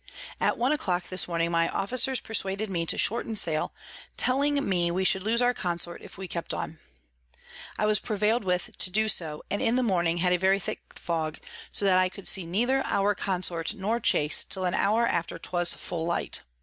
At one a clock this Morning my Officers persuaded me to shorten Sail, telling me we should lose our Consort if we kept on: I was prevail'd with to do so, and in the Morning had a very thick Fog, so that I could see neither our Consort nor Chase till an hour after 'twas full Light.